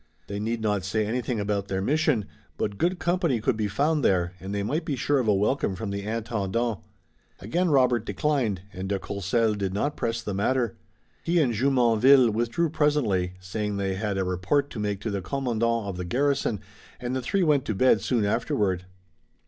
They need not say anything about their mission, but good company could be found there, and they might be sure of a welcome from the Intendant. Again Robert declined, and de Courcelles did not press the matter. He and Jumonville withdrew presently, saying they had a report to make to the commandant of the garrison, and the three went to bed soon afterward.